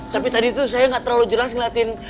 tapi tadi tuh saya gak terlalu jelas ngeliatin